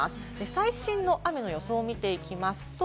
最新の雨の予想を見ていきます。